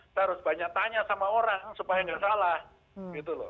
kita harus banyak tanya sama orang supaya nggak salah gitu loh